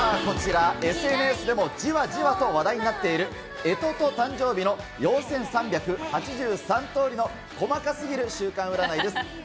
こちらＳＮＳでも、じわじわと話題になっている干支と誕生日の４３８３通りの細かすぎる週間占いです。